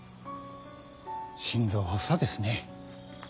心臓発作ですね。